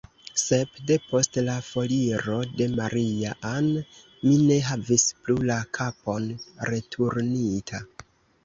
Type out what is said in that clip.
Sed, depost la foriro de Maria-Ann, mi ne havis plu la kapon returnita.